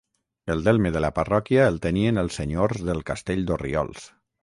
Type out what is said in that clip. El delme de la parròquia el tenien els senyors del castell d'Orriols.